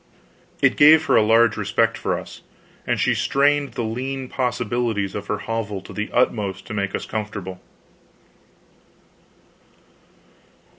It gave her a large respect for us, and she strained the lean possibilities of her hovel to the utmost to make us comfortable.